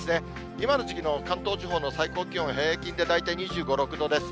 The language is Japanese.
今の時期の関東地方の最高気温、平均で大体２５、６度です。